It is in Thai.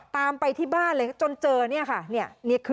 ตามไปที่บ้านเลยจนเจอเนี่ยค่ะ